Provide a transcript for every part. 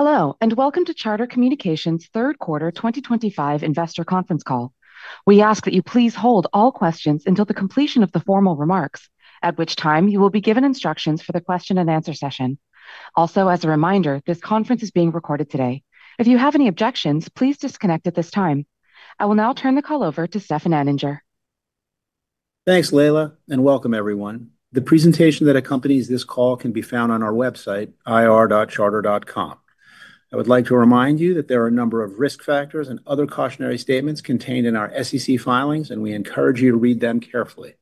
Hello, and welcome to Charter Communications' Third Quarter 2025 Investor Conference Call. We ask that you please hold all questions until the completion of the formal remarks, at which time you will be given instructions for the question-and-answer session. Also, as a reminder, this conference is being recorded today. If you have any objections, please disconnect at this time. I will now turn the call over to Stefan Anninger. Thanks, Leila, and welcome, everyone. The presentation that accompanies this call can be found on our website, ir.charter.com. I would like to remind you that there are a number of risk factors and other cautionary statements contained in our SEC filings, and we encourage you to read them carefully.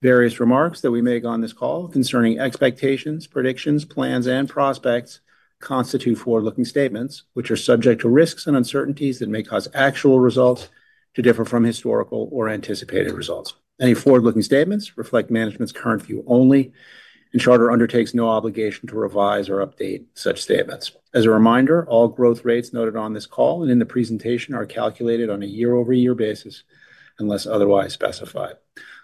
Various remarks that we make on this call concerning expectations, predictions, plans, and prospects constitute forward-looking statements, which are subject to risks and uncertainties that may cause actual results to differ from historical or anticipated results. Any forward-looking statements reflect management's current view only, and Charter undertakes no obligation to revise or update such statements. As a reminder, all growth rates noted on this call and in the presentation are calculated on a year-over-year basis unless otherwise specified.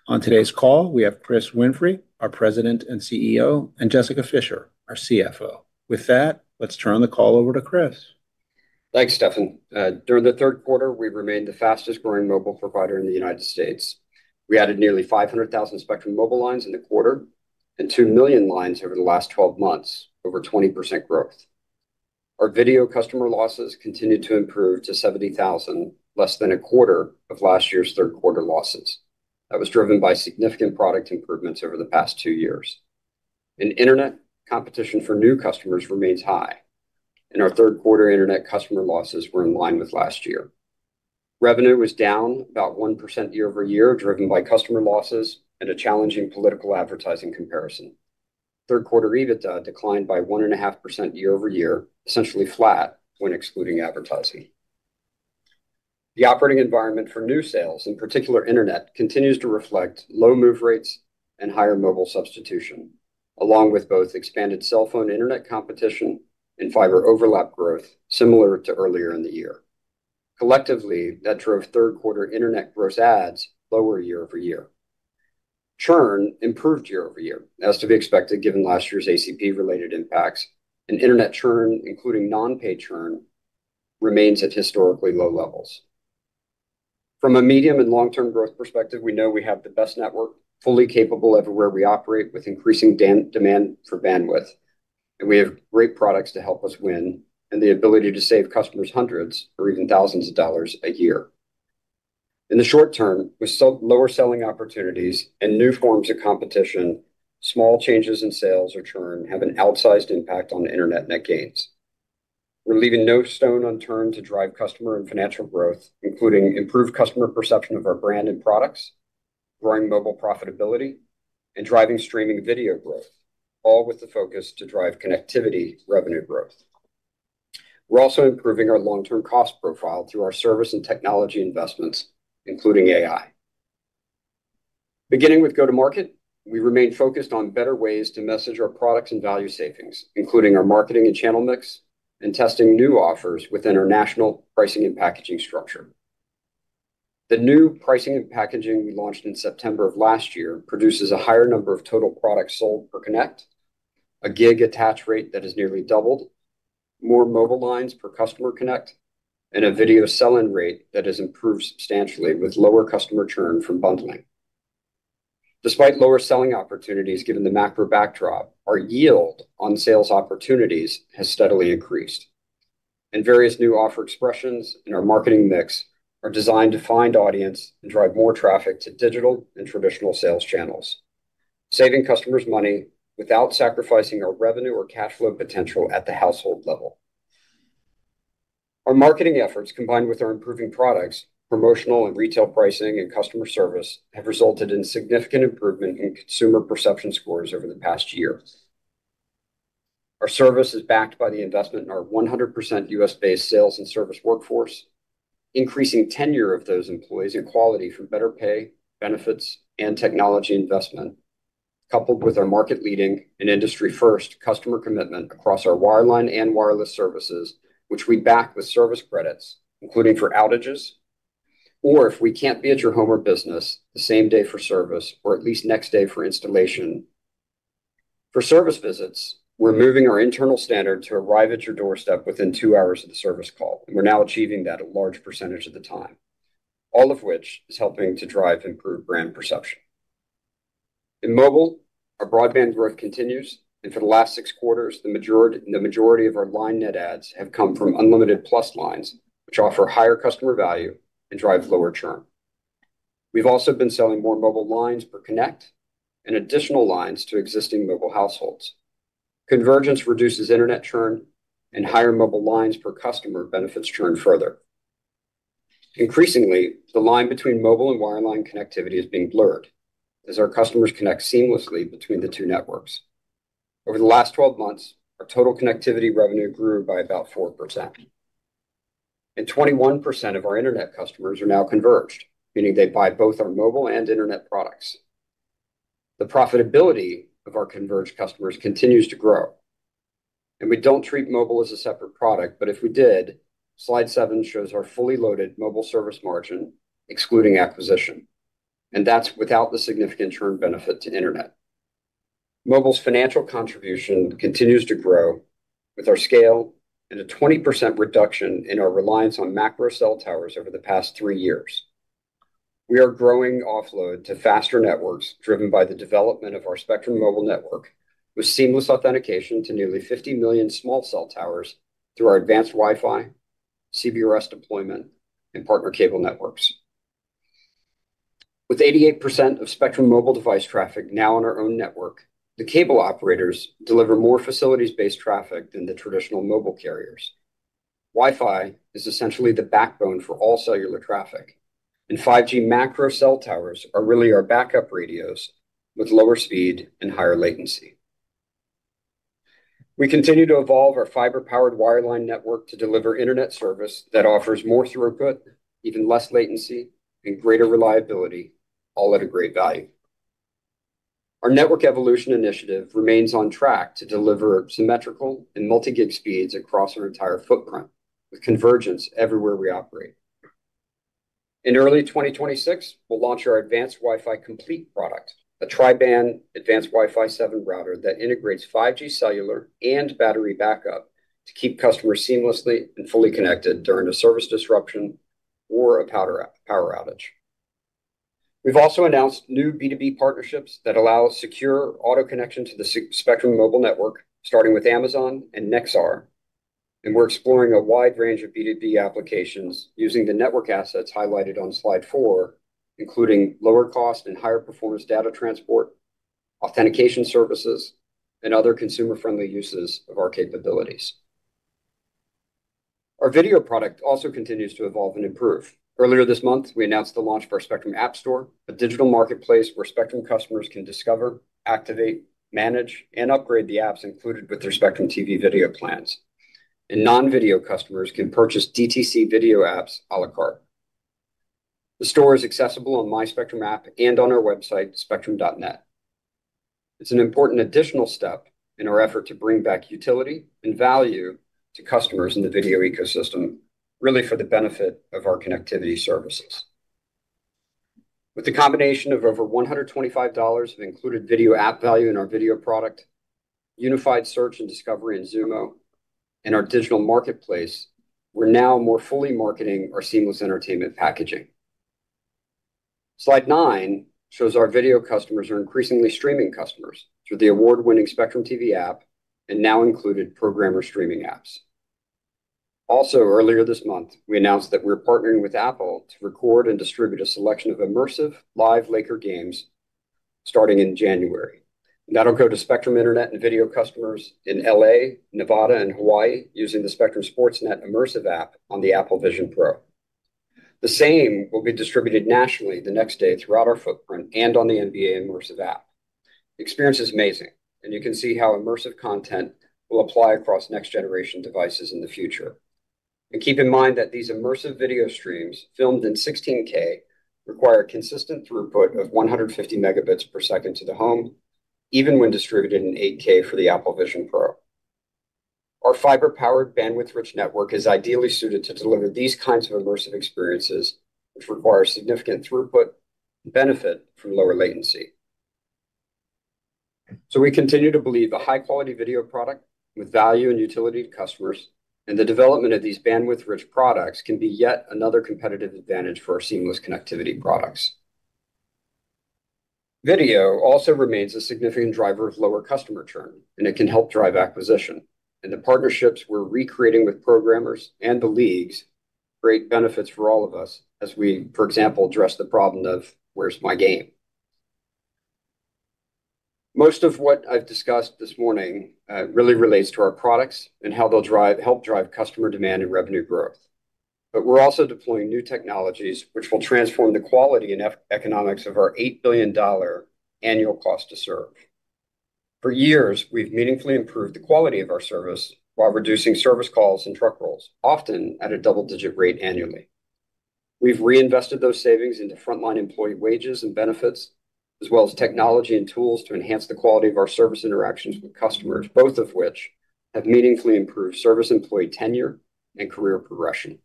On today's call, we have Chris Winfrey, our President and CEO, and Jessica Fischer, our CFO. With that, let's turn the call over to Chris. Thanks, Stefan. During the third quarter, we remained the fastest-growing mobile provider in the United States. We added nearly 500,000 Spectrum Mobile lines in the quarter and 2 million lines over the last 12 months, over 20% growth. Our video customer losses continued to improve to 70,000, less than a quarter of last year's third-quarter losses. That was driven by significant product improvements over the past two years. Internet competition for new customers remains high, and our third-quarter internet customer losses were in line with last year. Revenue was down about 1% year-over-year, driven by customer losses and a challenging political advertising comparison. Third-quarter EBITDA declined by 1.5% year-over-year, essentially flat when excluding advertising. The operating environment for new sales, in particular internet, continues to reflect low move rates and higher mobile substitution, along with both expanded cell phone internet competition and fiber overlap growth, similar to earlier in the year. Collectively, that drove third-quarter internet gross adds lower year-over-year. Churn improved year-over-year, as to be expected given last year's ACP-related impacts, and internet churn, including non-pay churn, remains at historically low levels. From a medium and long-term growth perspective, we know we have the best network, fully capable of where we operate with increasing demand for bandwidth, and we have great products to help us win and the ability to save customers hundreds or even thousands of dollars a year. In the short term, with lower selling opportunities and new forms of competition, small changes in sales or churn have an outsized impact on internet net gains. We're leaving no stone unturned to drive customer and financial growth, including improved customer perception of our brand and products, growing mobile profitability, and driving streaming video growth, all with the focus to drive connectivity revenue growth. We're also improving our long-term cost profile through our service and technology investments, including AI. Beginning with go-to-market, we remain focused on better ways to message our products and value savings, including our marketing and channel mix and testing new offers within our national pricing and packaging structure. The new pricing and packaging we launched in September of last year produces a higher number of total products sold per connect, a gig attach rate that has nearly doubled, more mobile lines per customer connect, and a video sell-in rate that has improved substantially with lower customer churn from bundling. Despite lower selling opportunities given the macro backdrop, our yield on sales opportunities has steadily increased, and various new offer expressions in our marketing mix are designed to find audience and drive more traffic to digital and traditional sales channels, saving customers money without sacrificing our revenue or cash flow potential at the household level. Our marketing efforts, combined with our improving products, promotional and retail pricing, and customer service, have resulted in significant improvement in consumer perception scores over the past year. Our service is backed by the investment in our 100% U.S.-based sales and service workforce, increasing tenure of those employees and quality from better pay, benefits, and technology investment, coupled with our market-leading and industry-first customer commitment across our wireline and wireless services, which we back with service credits, including for outages. If we can't be at your home or business the same day for service or at least next day for installation. For service visits, we're moving our internal standard to arrive at your doorstep within two hours of the service call, and we're now achieving that a large percentage of the time, all of which is helping to drive improved brand perception. In mobile, our broadband growth continues, and for the last six quarters, the majority of our line net adds have come from Unlimited Plus lines, which offer higher customer value and drive lower churn. We've also been selling more mobile lines per connect and additional lines to existing mobile households. Convergence reduces internet churn, and higher mobile lines per customer benefits churn further. Increasingly, the line between mobile and wireline connectivity is being blurred as our customers connect seamlessly between the two networks. Over the last 12 months, our total connectivity revenue grew by about 4%. 21% of our internet customers are now converged, meaning they buy both our mobile and internet products. The profitability of our converged customers continues to grow. We don't treat mobile as a separate product, but if we did, slide 7 shows our fully loaded mobile service margin excluding acquisition, and that's without the significant churn benefit to internet. Mobile's financial contribution continues to grow with our scale and a 20% reduction in our reliance on macro cell towers over the past three years. We are growing offload to faster networks driven by the development of our Spectrum Mobile network with seamless authentication to nearly 50 million small cell towers through our Advanced WiFi, CBRS deployment, and partner cable networks. With 88% of Spectrum Mobile device traffic now on our own network, the cable operators deliver more facilities-based traffic than the traditional mobile carriers. WiFi is essentially the backbone for all cellular traffic, and 5G macro cell towers are really our backup radios with lower speed and higher latency. We continue to evolve our fiber-powered wireline network to deliver internet service that offers more throughput, even less latency, and greater reliability, all at a great value. Our network evolution initiative remains on track to deliver symmetrical and multi-gig speeds across our entire footprint with convergence everywhere we operate. In early 2026, we'll launch our Advanced WiFi Complete product, a Tri-Band Advanced WiFi 7 router that integrates 5G cellular and battery backup to keep customers seamlessly and fully connected during a service disruption or a power outage. We've also announced new B2B partnerships that allow secure auto connection to the Spectrum Mobile network, starting with Amazon and Nexar, and we're exploring a wide range of B2B applications using the network assets highlighted on slide 4, including lower-cost and higher-performance data transport, authentication services, and other consumer-friendly uses of our capabilities. Our video product also continues to evolve and improve. Earlier this month, we announced the launch of our Spectrum App Store, a digital marketplace where Spectrum customers can discover, activate, manage, and upgrade the apps included with their Spectrum TV video plans, and non-video customers can purchase DTC video apps à la carte. The store is accessible on my Spectrum app and on our website, spectrum.net. It's an important additional step in our effort to bring back utility and value to customers in the video ecosystem, really for the benefit of our connectivity services. With the combination of over $125 of included video app value in our video product, unified search and discovery in Xumo, and our digital marketplace, we're now more fully marketing our seamless entertainment packaging. Slide 9 shows our video customers are increasingly streaming customers through the award-winning Spectrum TV app and now included programmer streaming apps. Also, earlier this month, we announced that we're partnering with Apple to record and distribute a selection of immersive live Laker games starting in January. That'll go to Spectrum Internet and video customers in LA, Nevada, and Hawaii using the Spectrum SportsNet Immersive app on the Apple Vision Pro. The same will be distributed nationally the next day throughout our footprint and on the NBA Immersive app. The experience is amazing, and you can see how immersive content will apply across next-generation devices in the future. Keep in mind that these immersive video streams filmed in 16K require consistent throughput of 150 Mb per second to the home, even when distributed in 8K for the Apple Vision Pro. Our fiber-powered, bandwidth-rich network is ideally suited to deliver these kinds of immersive experiences, which require significant throughput and benefit from lower latency. We continue to believe a high-quality video product with value and utility to customers, and the development of these bandwidth-rich products can be yet another competitive advantage for our seamless connectivity products. Video also remains a significant driver of lower customer churn, and it can help drive acquisition. The partnerships we're recreating with programmers and the leagues create benefits for all of us as we, for example, address the problem of where's my game. Most of what I've discussed this morning really relates to our products and how they'll help drive customer demand and revenue growth. We're also deploying new technologies, which will transform the quality and economics of our $8 billion annual cost to serve. For years, we've meaningfully improved the quality of our service while reducing service calls and truck rolls, often at a double-digit rate annually. We've reinvested those savings into frontline employee wages and benefits, as well as technology and tools to enhance the quality of our service interactions with customers, both of which have meaningfully improved service employee tenure and career progression.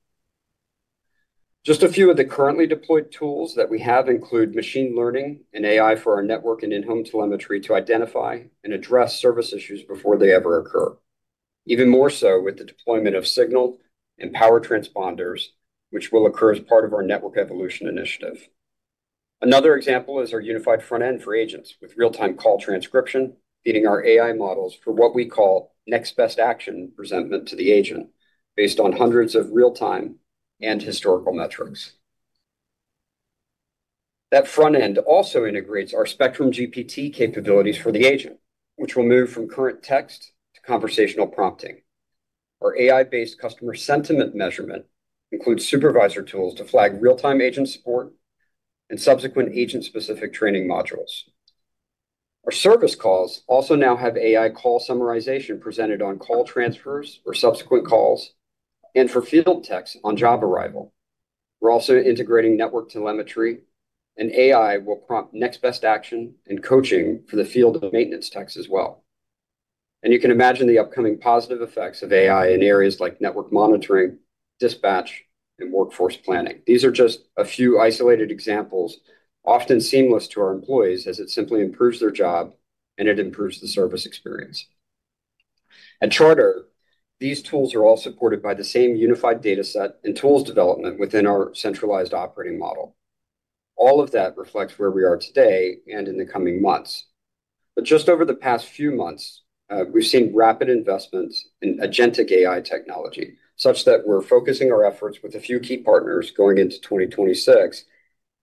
Just a few of the currently deployed tools that we have include machine learning and AI for our network and in-home telemetry to identify and address service issues before they ever occur, even more so with the deployment of signal and power transponders, which will occur as part of our network evolution initiative. Another example is our unified front end for agents with real-time call transcription, feeding our AI models for what we call next best action presentment to the agent based on hundreds of real-time and historical metrics. That front end also integrates our Spectrum GPT capabilities for the agent, which will move from current text to conversational prompting. Our AI-based customer sentiment measurement includes supervisor tools to flag real-time agent support and subsequent agent-specific training modules. Our service calls also now have AI call summarization presented on call transfers or subsequent calls and for field techs on job arrival. We're also integrating network telemetry, and AI will prompt next best action and coaching for the field maintenance techs as well. You can imagine the upcoming positive effects of AI in areas like network monitoring, dispatch, and workforce planning. These are just a few isolated examples, often seamless to our employees as it simply improves their job and it improves the service experience. At Charter, these tools are all supported by the same unified data set and tools development within our centralized operating model. All of that reflects where we are today and in the coming months. Just over the past few months, we've seen rapid investments in Agentic AI technology such that we're focusing our efforts with a few key partners going into 2026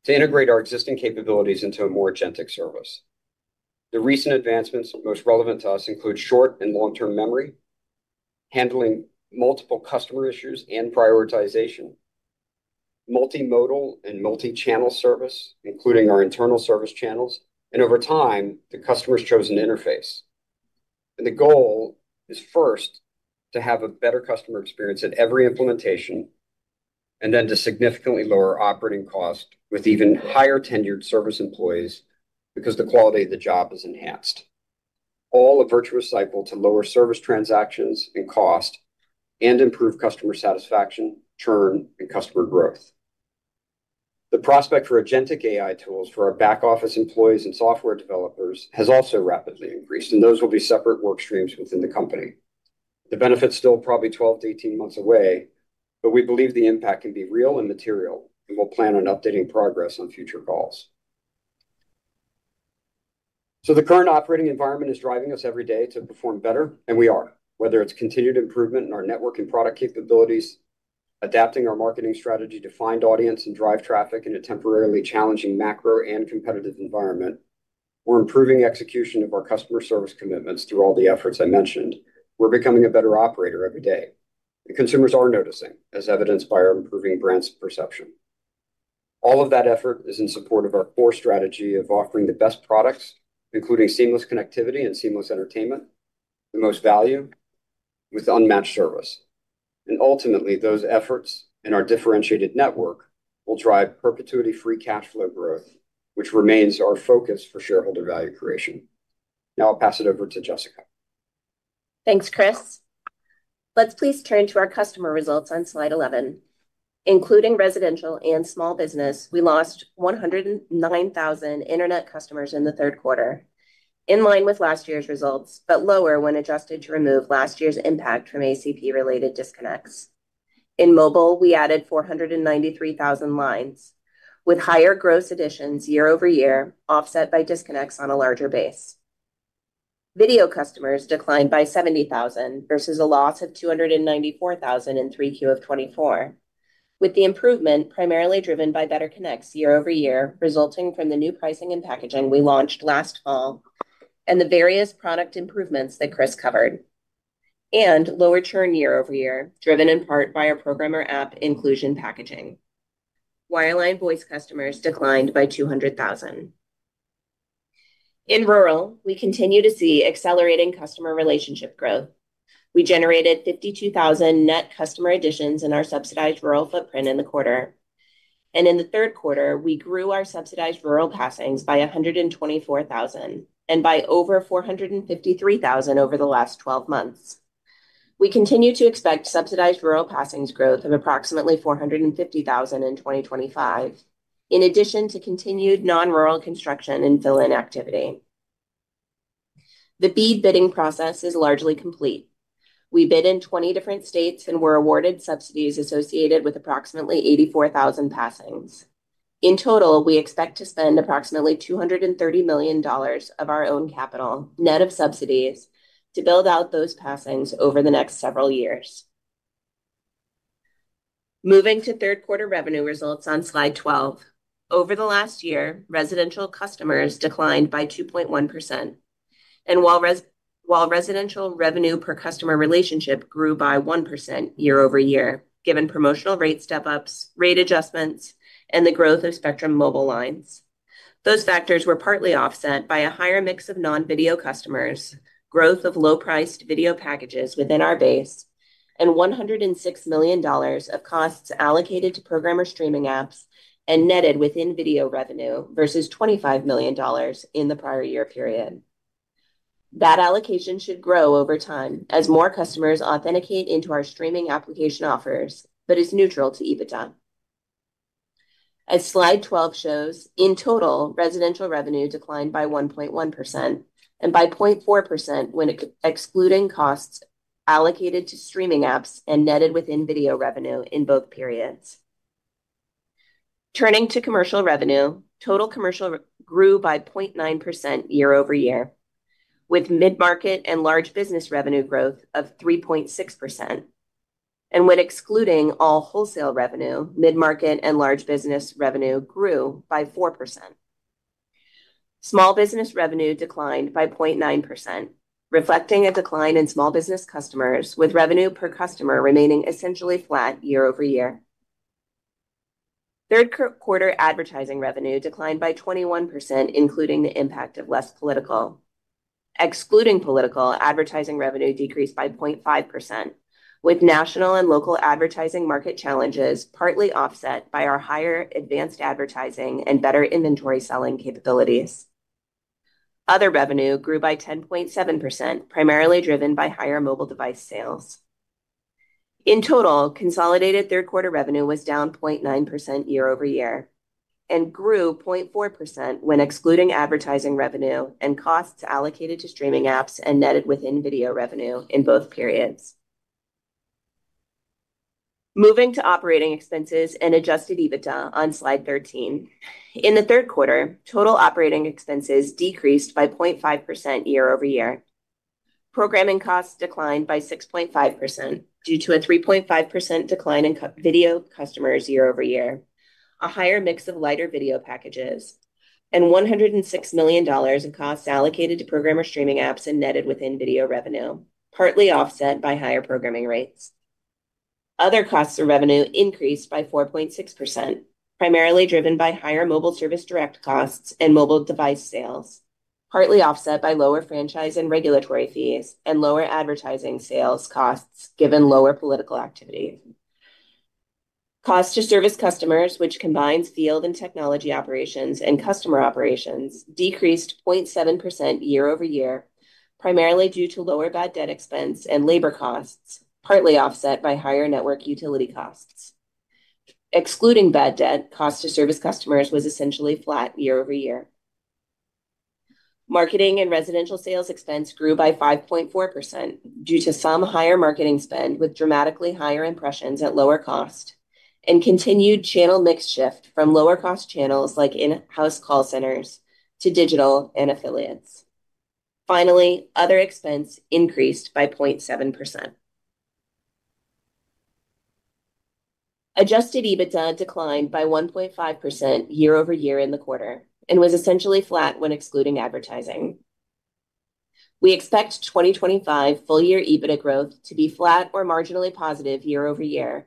to integrate our existing capabilities into a more agentic service. The recent advancements most relevant to us include short and long-term memory, handling multiple customer issues and prioritization, multimodal and multi-channel service, including our internal service channels, and over time, the customer's chosen interface. The goal is first to have a better customer experience at every implementation and then to significantly lower operating cost with even higher tenured service employees because the quality of the job is enhanced. All a virtuous cycle to lower service transactions and cost and improve customer satisfaction, churn, and customer growth. The prospect for Agentic AI tools for our back-office employees and software developers has also rapidly increased, and those will be separate work streams within the company. The benefits are still probably 12 to 18 months away, but we believe the impact can be real and material, and we'll plan on updating progress on future calls. The current operating environment is driving us every day to perform better, and we are, whether it's continued improvement in our network and product capabilities, adapting our marketing strategy to find audience and drive traffic in a temporarily challenging macro and competitive environment, or improving execution of our customer service commitments through all the efforts I mentioned, we're becoming a better operator every day. The consumers are noticing, as evidenced by our improving brand perception. All of that effort is in support of our core strategy of offering the best products, including seamless connectivity and seamless entertainment, the most value with unmatched service. Ultimately, those efforts and our differentiated network will drive perpetuity-free cash flow growth, which remains our focus for shareholder value creation. Now I'll pass it over to Jessica. Thanks, Chris. Let's please turn to our customer results on slide 11. Including residential and small business, we lost 109,000 internet customers in the third quarter, in line with last year's results, but lower when adjusted to remove last year's impact from ACP-related disconnects. In mobile, we added 493,000 lines with higher gross additions year over year, offset by disconnects on a larger base. Video customers declined by 70,000 versus a loss of 294,000 in the third quarter of 2024, with the improvement primarily driven by better connects year over year, resulting from the new pricing and packaging we launched last fall and the various product improvements that Chris covered, and lower churn year over year, driven in part by our programmer app inclusion packaging. Wireline voice customers declined by 200,000. In rural, we continue to see accelerating customer relationship growth. We generated 52,000 net customer additions in our subsidized rural footprint in the quarter. In the third quarter, we grew our subsidized rural passings by 124,000 and by over 453,000 over the last 12 months. We continue to expect subsidized rural passings growth of approximately 450,000 in 2025, in addition to continued non-rural construction and fill-in activity. The BEAD bidding process is largely complete. We bid in 20 different states and were awarded subsidies associated with approximately 84,000 passings. In total, we expect to spend approximately $230 million of our own capital net of subsidies to build out those passings over the next several years. Moving to third quarter revenue results on slide 12. Over the last year, residential customers declined by 2.1%. While residential revenue per customer relationship grew by 1% year-over-year, given promotional rate step-ups, rate adjustments, and the growth of Spectrum Mobile lines, those factors were partly offset by a higher mix of non-video customers, growth of low-priced video packages within our base, and $106 million of costs allocated to programmer streaming apps and netted within video revenue versus $25 million in the prior year period. That allocation should grow over time as more customers authenticate into our streaming application offers, but it's neutral to EBITDA. As slide 12 shows, in total, residential revenue declined by 1.1% and by 0.4% when excluding costs allocated to streaming apps and netted within video revenue in both periods. Turning to commercial revenue, total commercial grew by 0.9% year over year, with mid-market and large business revenue growth of 3.6%. When excluding all wholesale revenue, mid-market and large business revenue grew by 4%. Small business revenue declined by 0.9%, reflecting a decline in small business customers, with revenue per customer remaining essentially flat year over year. Third quarter advertising revenue declined by 21%, including the impact of less political. Excluding political, advertising revenue decreased by 0.5%, with national and local advertising market challenges partly offset by our higher advanced advertising and better inventory selling capabilities. Other revenue grew by 10.7%, primarily driven by higher mobile device sales. In total, consolidated third quarter revenue was down 0.9% year over year and grew 0.4% when excluding advertising revenue and costs allocated to streaming apps and netted within video revenue in both periods. Moving to operating expenses and adjusted EBITDA on slide 13. In the third quarter, total operating expenses decreased by 0.5% year over year. Programming costs declined by 6.5% due to a 3.5% decline in video customers year over year, a higher mix of lighter video packages, and $106 million of costs allocated to programmer streaming apps and netted within video revenue, partly offset by higher programming rates. Other costs of revenue increased by 4.6%, primarily driven by higher mobile service direct costs and mobile device sales, partly offset by lower franchise and regulatory fees and lower advertising sales costs given lower political activity. Cost to service customers, which combines field and technology operations and customer operations, decreased 0.7% year over year, primarily due to lower bad debt expense and labor costs, partly offset by higher network utility costs. Excluding bad debt, cost to service customers was essentially flat year over year. Marketing and residential sales expense grew by 5.4% due to some higher marketing spend with dramatically higher impressions at lower cost and continued channel mix shift from lower-cost channels like in-house call centers to digital and affiliates. Finally, other expense increased by 0.7%. Adjusted EBITDA declined by 1.5% year over year in the quarter and was essentially flat when excluding advertising. We expect 2025 full-year EBITDA growth to be flat or marginally positive year over year,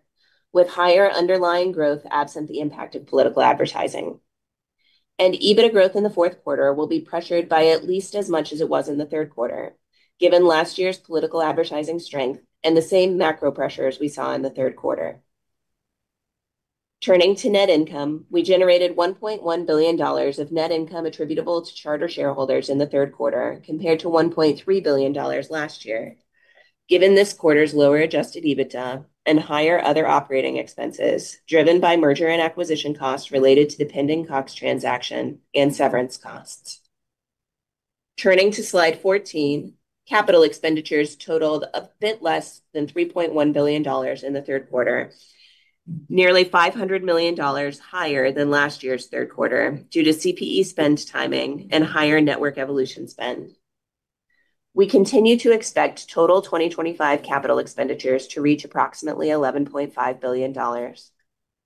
with higher underlying growth absent the impact of political advertising. EBITDA growth in the fourth quarter will be pressured by at least as much as it was in the third quarter, given last year's political advertising strength and the same macro pressures we saw in the third quarter. Turning to net income, we generated $1.1 billion of net income attributable to Charter shareholders in the third quarter compared to $1.3 billion last year, given this quarter's lower adjusted EBITDA and higher other operating expenses driven by merger and acquisition costs related to the pending Cox Transaction and severance costs. Turning to slide 14, capital expenditures totaled a bit less than $3.1 billion in the third quarter, nearly $500 million higher than last year's third quarter due to CPE spend timing and higher network evolution spend. We continue to expect total 2025 capital expenditures to reach approximately $11.5 billion,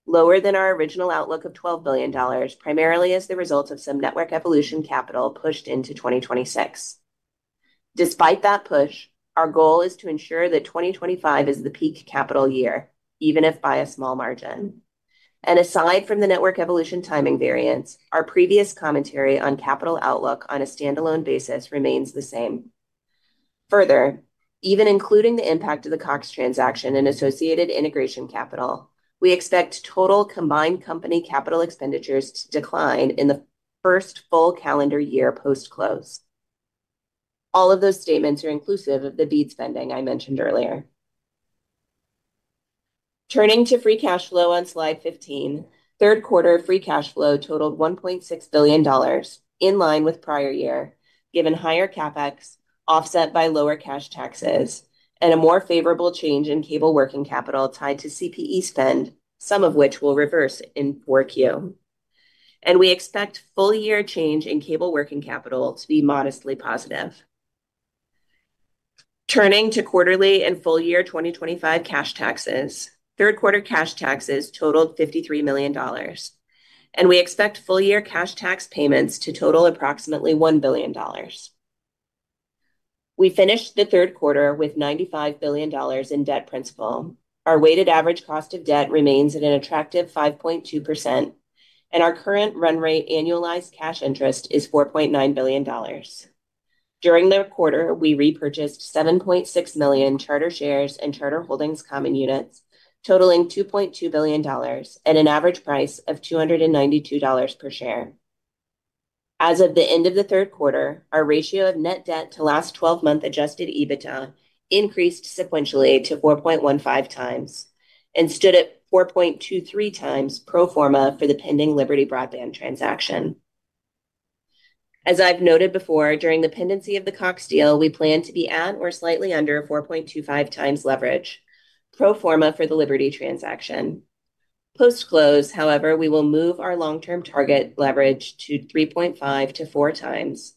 lower than our original outlook of $12 billion, primarily as the result of some network evolution capital pushed into 2026. Despite that push, our goal is to ensure that 2025 is the peak capital year, even if by a small margin. Aside from the network evolution timing variance, our previous commentary on capital outlook on a standalone basis remains the same. Further, even including the impact of the Cox Transaction and associated integration capital, we expect total combined company capital expenditures to decline in the first full calendar year post-close. All of those statements are inclusive of the B2B spending I mentioned earlier. Turning to free cash flow on slide 15, third quarter free cash flow totaled $1.6 billion, in line with prior year, given higher CapEx, offset by lower cash taxes, and a more favorable change in cable working capital tied to CPE spend, some of which will reverse in 4Q. We expect full-year change in cable working capital to be modestly positive. Turning to quarterly and full-year 2025 cash taxes, third quarter cash taxes totaled $53 million. We expect full-year cash tax payments to total approximately $1 billion. We finished the third quarter with $95 billion in debt principal. Our weighted average cost of debt remains at an attractive 5.2%. Our current run rate annualized cash interest is $4.9 billion. During the quarter, we repurchased 7.6 million Charter shares and Charter Holdings common units, totaling $2.2 billion at an average price of $292 per share. As of the end of the third quarter, our ratio of net debt to last 12-month adjusted EBITDA increased sequentially to 4.15x and stood at 4.23x pro forma for the pending Liberty Broadband transaction. As I've noted before, during the pendency of the Cox deal, we plan to be at or slightly under 4.25x leverage pro forma for the Liberty transaction. Post-close, however, we will move our long-term target leverage to 3.5x to 4x.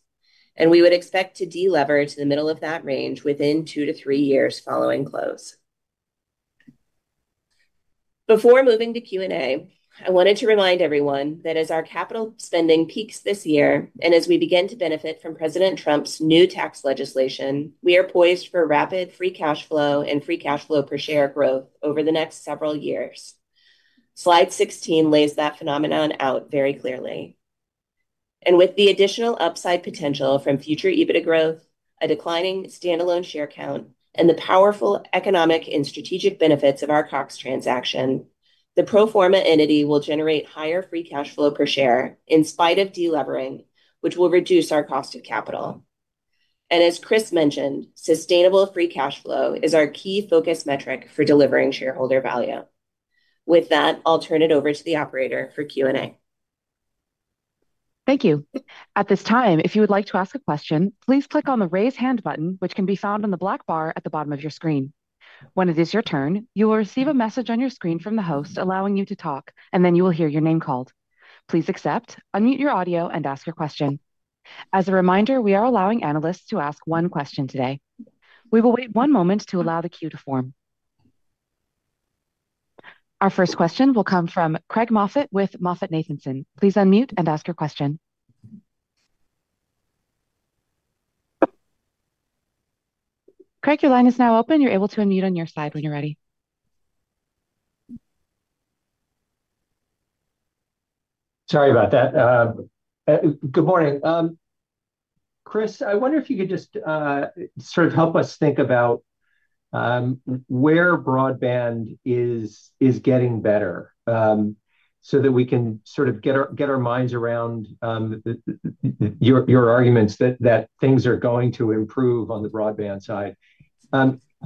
We would expect to deleverage to the middle of that range within two to three years following close. Before moving to Q&A, I wanted to remind everyone that as our capital spending peaks this year and as we begin to benefit from President Trump's new tax legislation, we are poised for rapid free cash flow and free cash flow per share growth over the next several years. Slide 16 lays that phenomenon out very clearly. With the additional upside potential from future EBITDA growth, a declining standalone share count, and the powerful economic and strategic benefits of our Cox Transaction, the pro forma entity will generate higher free cash flow per share in spite of deleveraging, which will reduce our cost of capital. As Chris mentioned, sustainable free cash flow is our key focus metric for delivering shareholder value. With that, I'll turn it over to the operator for Q&A. Thank you. At this time, if you would like to ask a question, please click on the raise hand button, which can be found on the black bar at the bottom of your screen. When it is your turn, you will receive a message on your screen from the host allowing you to talk, and then you will hear your name called. Please accept, unmute your audio, and ask your question. As a reminder, we are allowing analysts to ask one question today. We will wait one moment to allow the queue to form. Our first question will come from Craig Moffett with MoffettNathanson. Please unmute and ask your question. Craig, your line is now open. You're able to unmute on your side when you're ready. Good morning. Chris, I wonder if you could just help us think about where broadband is getting better so that we can get our minds around your arguments that things are going to improve on the broadband side.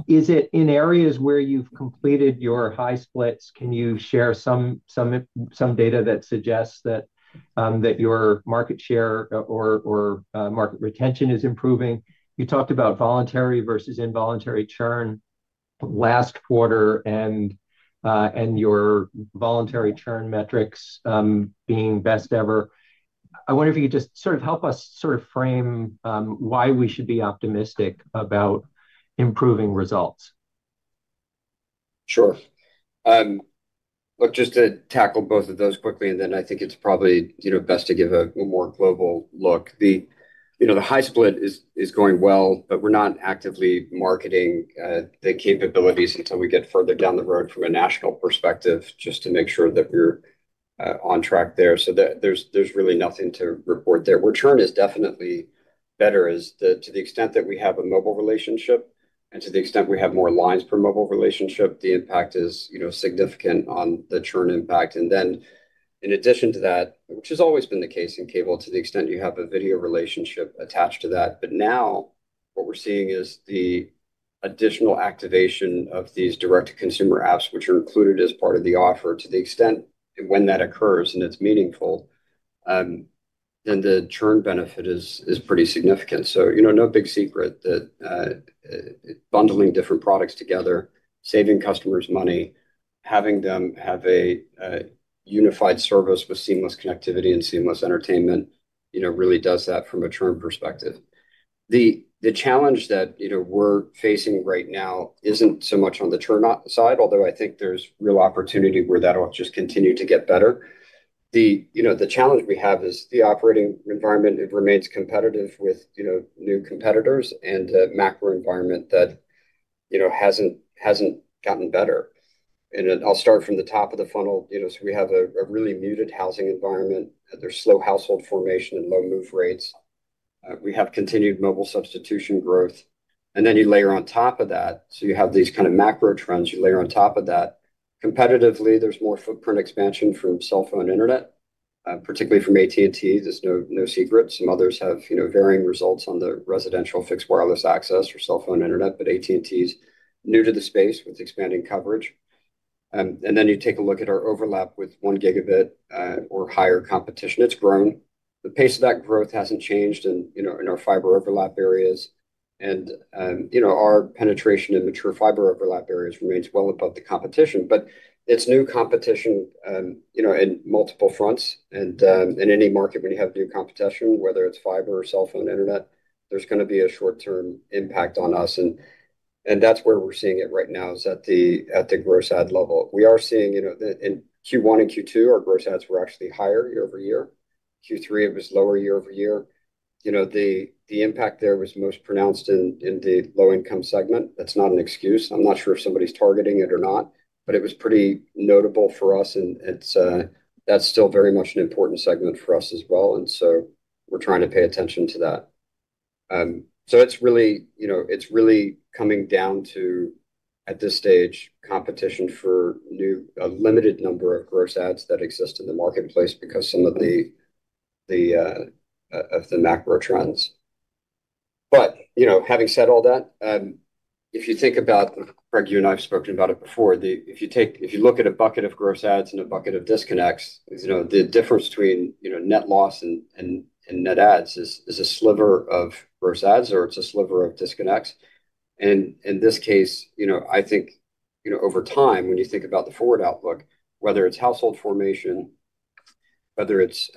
Is it in areas where you've completed your high splits? Can you share some data that suggests that your market share or market retention is improving? You talked about voluntary versus involuntary churn last quarter and your voluntary churn metrics being best ever. I wonder if you could help us frame why we should be optimistic about improving results. Sure. To tackle both of those quickly, I think it's probably best to give a more global look. The high split is going well, but we're not actively marketing the capabilities until we get further down the road from a national perspective, just to make sure that we're on track there. There's really nothing to report there. Where churn is definitely better is to the extent that we have a mobile relationship and to the extent we have more lines per mobile relationship, the impact is significant on the churn impact. In addition to that, which has always been the case in cable, to the extent you have a video relationship attached to that. Now, what we're seeing is the additional activation of these direct-to-consumer apps, which are included as part of the offer. To the extent when that occurs and it's meaningful, the churn benefit is pretty significant. No big secret that bundling different products together, saving customers money, having them have a -- Unified service with seamless connectivity and seamless entertainment really does that from a churn perspective. The challenge that we're facing right now isn't so much on the churn side, although I think there's real opportunity where that will just continue to get better. The challenge we have is the operating environment. It remains competitive with new competitors and a macro environment that hasn't gotten better. I'll start from the top of the funnel. We have a really muted housing environment. There's slow household formation and low move rates. We have continued mobile substitution growth. You layer on top of that, so you have these kind of macro trends you layer on top of that. Competitively, there's more footprint expansion from cell phone internet, particularly from AT&T. There's no secret. Some others have varying results on the residential fixed wireless access or cell phone internet, but AT&T is new to the space with expanding coverage. You take a look at our overlap with 1 Gb or higher competition. It's grown. The pace of that growth hasn't changed in our fiber overlap areas. Our penetration in mature fiber overlap areas remains well above the competition. It's new competition in multiple fronts. In any market, when you have new competition, whether it's fiber or cell phone internet, there's going to be a short-term impact on us. That's where we're seeing it right now, is at the gross ad level. We are seeing in Q1 and Q2, our gross adds were actually higher year over year. Q3, it was lower year over year. The impact there was most pronounced in the low-income segment. That's not an excuse. I'm not sure if somebody's targeting it or not, but it was pretty notable for us. That's still very much an important segment for us as well, and we're trying to pay attention to that. It's really coming down to, at this stage, competition for a limited number of gross adds that exist in the marketplace because of the macro trends. Having said all that, if you think about, Craig, you and I have spoken about it before, if you look at a bucket of gross adds and a bucket of disconnects, the difference between net loss and net adds is a sliver of gross adds or it's a sliver of disconnects. In this case, I think over time, when you think about the forward outlook, whether it's household formation, whether it's.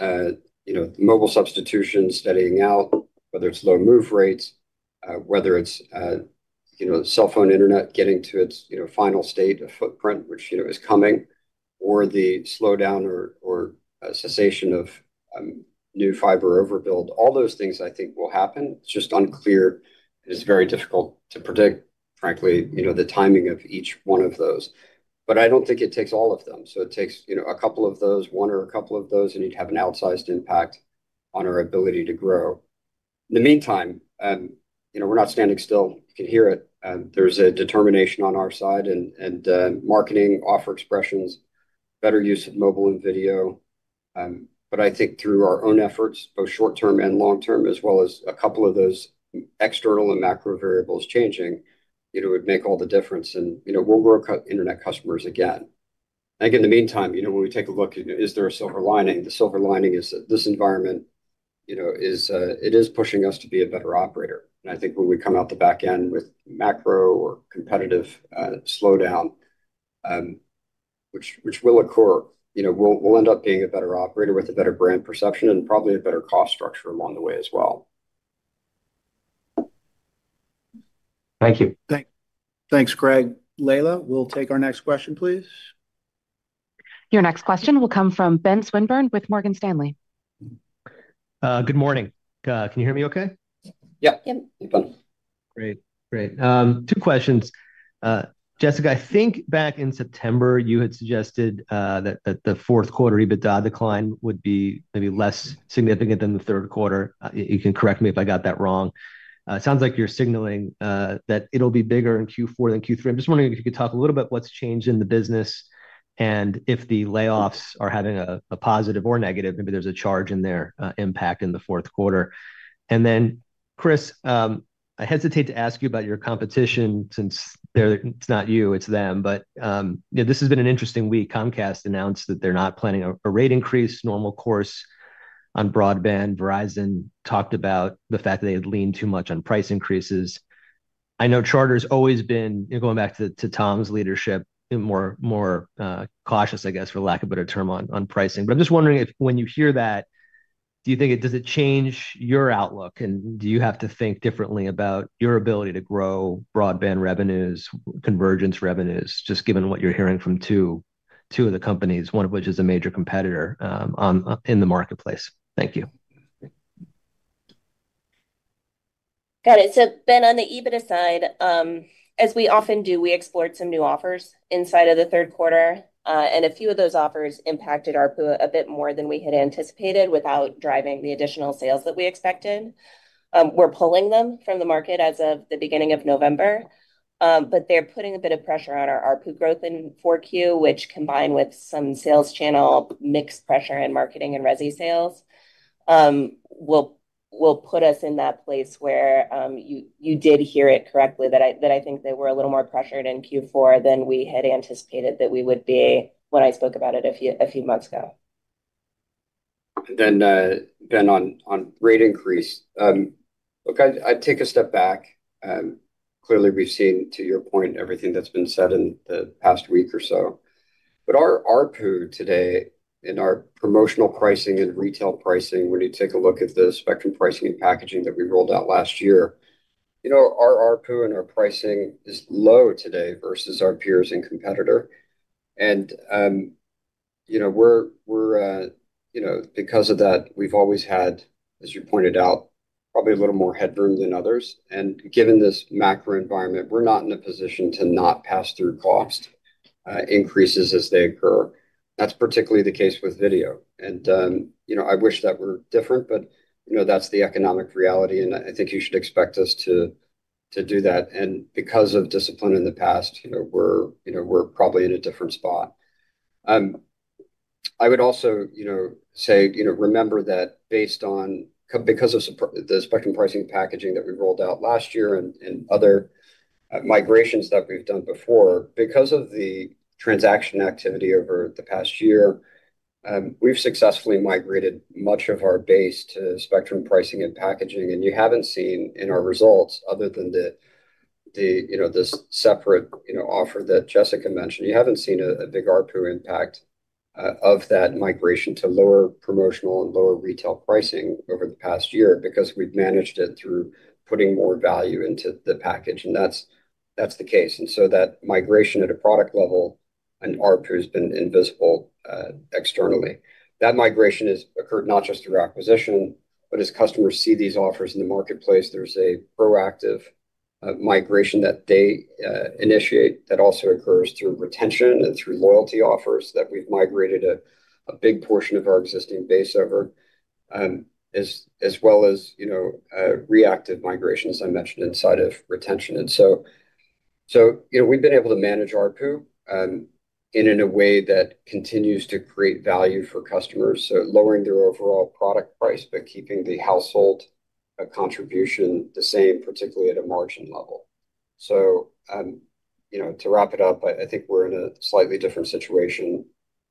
Mobile substitution steadying out, whether it's low move rates, whether it's cell phone internet getting to its final state of footprint, which is coming, or the slowdown or cessation of new fiber overbuild, all those things I think will happen. It's just unclear. It's very difficult to predict, frankly, the timing of each one of those. I don't think it takes all of them. It takes a couple of those, one or a couple of those, and you'd have an outsized impact on our ability to grow. In the meantime, we're not standing still. You can hear it. There's a determination on our side in marketing offer expressions, better use of mobile and video. I think through our own efforts, both short-term and long-term, as well as a couple of those external and macro variables changing, it would make all the difference. We'll grow internet customers again. I think in the meantime, when we take a look, is there a silver lining? The silver lining is that this environment is pushing us to be a better operator. I think when we come out the back end with macro or competitive slowdown, which will occur, we'll end up being a better operator with a better brand perception and probably a better cost structure along the way as well. Thank you. Thanks, Craig. Leila, we'll take our next question, please. Your next question will come from Ben Swinburne with Morgan Stanley. Good morning. Can you hear me okay? Yep. Great. Great. Two questions. Jessica, I think back in September, you had suggested that the fourth quarter EBITDA decline would be maybe less significant than the third quarter. You can correct me if I got that wrong. It sounds like you're signaling that it'll be bigger in Q4 than Q3. I'm just wondering if you could talk a little bit about what's changed in the business. If the layoffs are having a positive or negative, maybe there's a charge in their impact in the fourth quarter. Chris, I hesitate to ask you about your competition since it's not you, it's them. This has been an interesting week. Comcast announced that they're not planning a rate increase, normal course on broadband. Verizon talked about the fact that they had leaned too much on price increases. I know Charter's always been, going back to Tom's leadership, more cautious, I guess, for lack of a better term, on pricing. I'm just wondering if when you hear that, do you think it does it change your outlook? Do you have to think differently about your ability to grow broadband revenues, convergence revenues, just given what you're hearing from two of the companies, one of which is a major competitor in the marketplace? Thank you. Got it. Ben, on the EBITDA side, as we often do, we explored some new offers inside of the third quarter, and a few of those offers impacted ARPU a bit more than we had anticipated without driving the additional sales that we expected. We're pulling them from the market as of the beginning of November, but they're putting a bit of pressure on our ARPU growth in 4Q, which, combined with some sales channel mixed pressure in marketing and resi sales, will put us in that place where you did hear it correctly, that I think they were a little more pressured in Q4 than we had anticipated that we would be when I spoke about it a few months ago. Ben, on rate increase, I'd take a step back. Clearly, we've seen, to your point, everything that's been said in the past week or so. ARPU today, in our promotional pricing and retail pricing, when you take a look at the Spectrum pricing and packaging that we rolled out last year, our ARPU and our pricing is low today versus our peers and competitor. Because of that, we've always had, as you pointed out, probably a little more headroom than others. Given this macro environment, we're not in a position to not pass through cost increases as they occur. That's particularly the case with video. I wish that were different, but that's the economic reality. I think you should expect us to do that, and because of discipline in the past, we're probably in a different spot. I would also say remember that based on the Spectrum pricing packaging that we rolled out last year and other migrations that we've done before, because of the transaction activity over the past year, we've successfully migrated much of our base to Spectrum pricing and packaging. You haven't seen in our results, other than this separate offer that Jessica mentioned, you haven't seen a big ARPU impact of that migration to lower promotional and lower retail pricing over the past year because we've managed it through putting more value into the package. That's the case, and so that migration at a product level and ARPU has been invisible externally. That migration has occurred not just through acquisition, but as customers see these offers in the marketplace, there's a proactive. Migration that they initiate also occurs through retention and through loyalty offers that we've migrated a big portion of our existing base over, as well as reactive migrations I mentioned inside of retention. We've been able to manage ARPU in a way that continues to create value for customers, lowering their overall product price but keeping the household contribution the same, particularly at a margin level. To wrap it up, I think we're in a slightly different situation.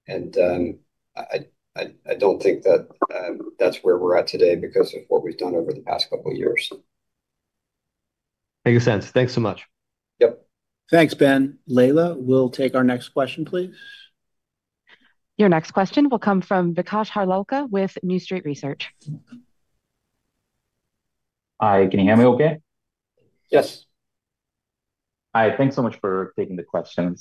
I don't think that's where we're at today because of what we've done over the past couple of years. Makes sense. Thanks so much. Yep. Thanks, Ben. Leila, we'll take our next question, please. Your next question will come from Vikash Harlalka with New Street Research. Hi. Can you hear me okay? Yes. Hi. Thanks so much for taking the question.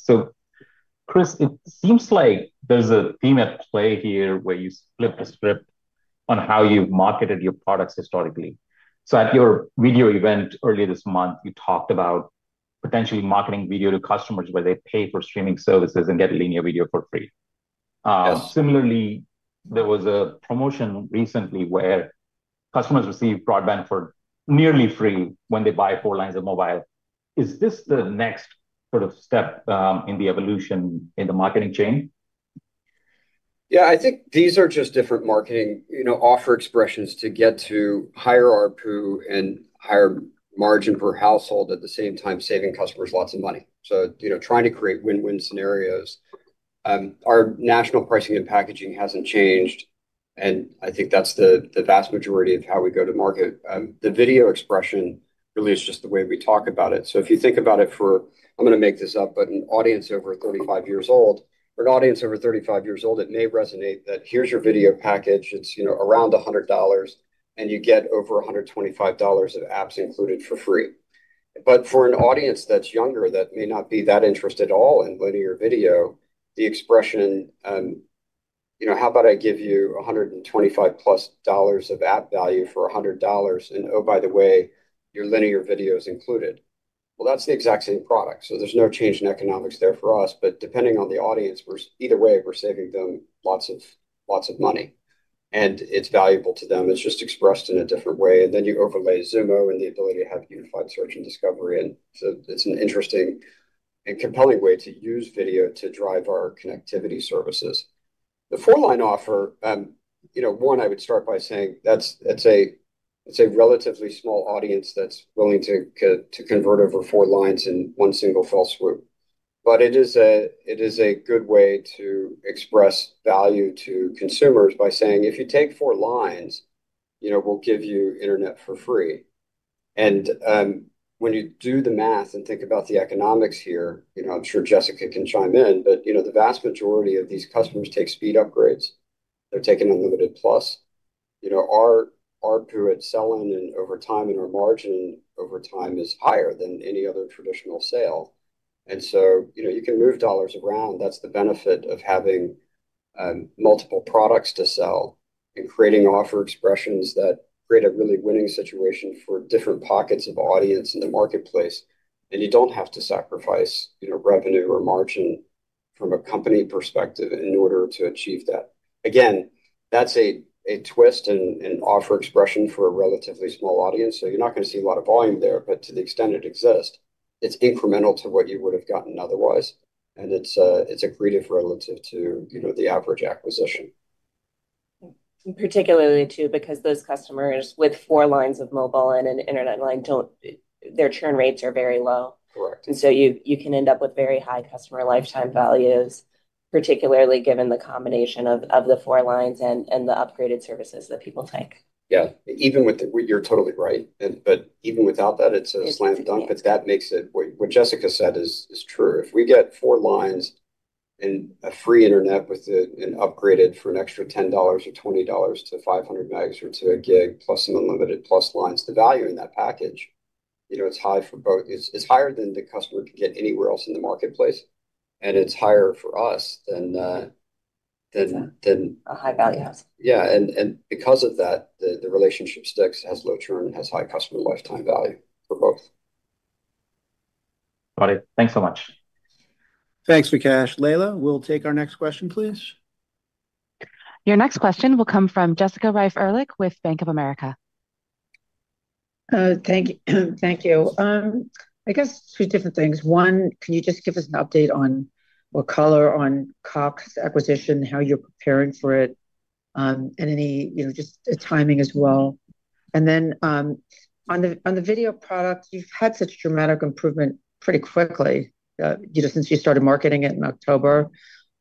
Chris, it seems like there's a theme at play here where you split the script on how you've marketed your products historically. At your video event earlier this month, you talked about potentially marketing video to customers where they pay for streaming services and get a linear video for free. Similarly, there was a promotion recently where customers receive broadband for nearly free when they buy four lines of mobile. Is this the next sort of step in the evolution in the marketing chain? Yeah. I think these are just different marketing offer expressions to get to higher ARPU and higher margin per household at the same time, saving customers lots of money, trying to create win-win scenarios. Our national pricing and packaging hasn't changed, and I think that's the vast majority of how we go to market. The video expression really is just the way we talk about it. If you think about it for, I'm going to make this up, but an audience over 35 years old, for an audience over 35 years old, it may resonate that here's your video package. It's around $100, and you get over $125 of apps included for free. For an audience that's younger that may not be that interested at all in linear video, the expression, "How about I give you $125 plus of app value for $100? And oh, by the way, your linear video is included." That's the exact same product. There's no change in economics there for us, but depending on the audience, either way, we're saving them lots of money, and it's valuable to them. It's just expressed in a different way. You overlay Xumo and the ability to have unified search and discovery. It is an interesting and compelling way to use video to drive our connectivity services. The four-line offer, one, I would start by saying that's a relatively small audience that's willing to convert over four lines in one single fell swoop. It is a good way to express value to consumers by saying, "If you take four lines, we'll give you internet for free." When you do the math and think about the economics here, I'm sure Jessica can chime in, but the vast majority of these customers take speed upgrades. They're taking Unlimited Plus. Our ARPU at selling and over time and our margin over time is higher than any other traditional sale. You can move dollars around. That's the benefit of having multiple products to sell and creating offer expressions that create a really winning situation for different pockets of audience in the marketplace. You don't have to sacrifice revenue or margin from a company perspective in order to achieve that. Again, that's a twist and offer expression for a relatively small audience. You're not going to see a lot of volume there, but to the extent it exists, it's incremental to what you would have gotten otherwise. It's a great if relative to the average acquisition, Particularly too, because those customers with four lines of mobile and an internet line, their churn rates are very low. You can end up with very high customer lifetime values, particularly given the combination of the four lines and the upgraded services that people take. You're totally right. Even without that, it's a slam dunk. That makes it what Jessica said is true. If we get four lines and a free internet with an upgraded for an extra $10 or $20 to 500 Mg or to a gig plus Unlimited Plus lines, the value in that package, it's high for both. It's higher than the customer can get anywhere else in the marketplace. It's higher for us than a high-value house. Because of that, the relationship sticks, has low churn, has high customer lifetime value for both. Got it. Thanks so much. Thanks, Vikash. Leila, we'll take our next question, please. Your next question will come from Jessica Wright-Ehrlich with Bank of America. Thank you. I guess two different things. One, can you just give us an update on color on Cox acquisition, how you're preparing for it, and just the timing as well. On the video product, you've had such dramatic improvement pretty quickly since you started marketing it in October.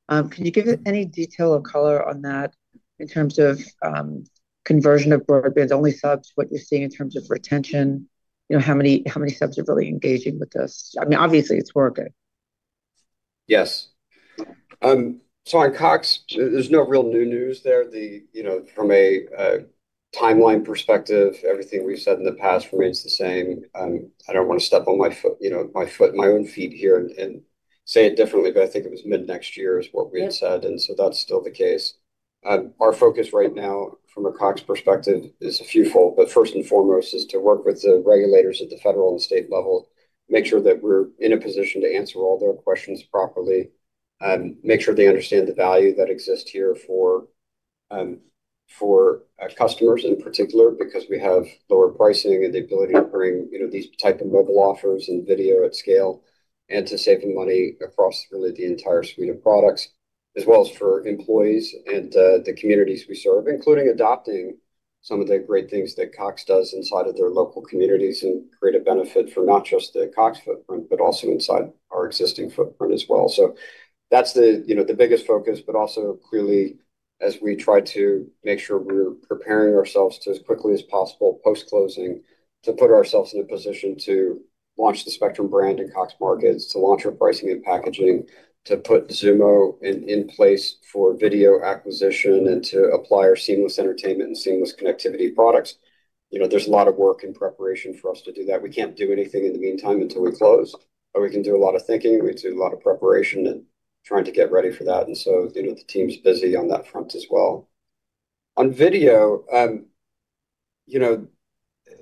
Can you give any detail or color on that in terms of conversion of broadband-only subs, what you're seeing in terms of retention, how many subs are really engaging with this? I mean, obviously, it's working. Yes. On Cox, there's no real new news there. From a timeline perspective, everything we've said in the past remains the same. I don't want to step on my own feet here and say it differently, but I think it was mid-next year is what we had said, and that's still the case. Our focus right now from a Cox perspective is a few-fold, but first and foremost is to work with the regulators at the federal and state level, make sure that we're in a position to answer all their questions properly, make sure they understand the value that exists here for customers in particular, because we have lower pricing and the ability to bring these types of mobile offers and video at scale and to save money across really the entire suite of products, as well as for employees and the communities we serve, including adopting some of the great things that Cox does inside of their local communities and create a benefit for not just the Cox footprint, but also inside our existing footprint as well. That's the biggest focus, but also clearly, as we try to make sure we're preparing ourselves as quickly as possible post-closing to put ourselves in a position to launch the Spectrum brand in Cox markets, to launch our pricing and packaging, to put Xumo in place for video acquisition, and to apply our seamless entertainment and seamless connectivity products. There's a lot of work in preparation for us to do that. We can't do anything in the meantime until we close. We can do a lot of thinking. We do a lot of preparation and trying to get ready for that, and the team's busy on that front as well. On video,